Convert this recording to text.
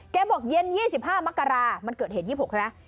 บอกเย็น๒๕มกรามันเกิดเหตุ๒๖ใช่ไหม